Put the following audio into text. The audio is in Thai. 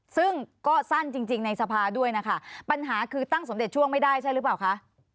ซึ่งก็สั้นจริงในสภาด้วยนะคะปัญหาคือตั้งสมเด็จช่วงไม่ได้ใช่หรือเปล่าคะ